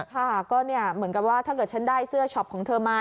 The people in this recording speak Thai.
ค่ะก็เหมือนกับว่าถ้าเกิดฉันได้เสื้อช็อปของเธอมา